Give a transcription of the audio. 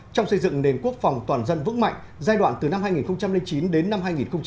trong xây dựng nền quốc phòng toàn dân vững mạnh giai đoạn từ năm hai nghìn chín đến năm hai nghìn một mươi